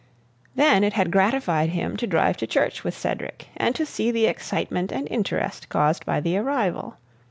Then it had gratified him to drive to church with Cedric and to see the excitement and interest caused by the arrival.